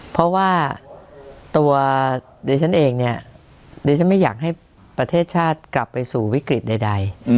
เพราะว่าตัวดิฉันเองเนี่ยดิฉันไม่อยากให้ประเทศชาติกลับไปสู่วิกฤตใด